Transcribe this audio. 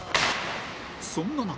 そんな中